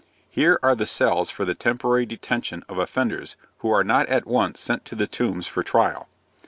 Here are the cells for the temporary detention of offenders who are not at once sent to the Tombs for trial.